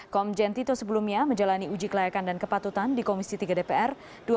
komjen tito sebelumnya menjalani uji kelayakan dan kepatutan di komisi tiga dpr